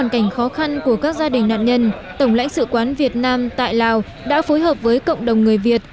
cảnh khó khăn của các gia đình nạn nhân tổng lãnh sự quán việt nam tại lào đã phối hợp với cộng đồng người việt